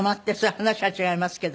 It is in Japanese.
話が違いますけど。